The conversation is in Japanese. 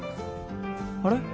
あれ？